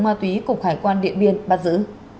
ma túy cục hải quan điện biên bắt giữ